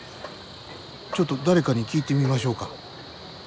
ちょっと誰かに聞いてみましょうか。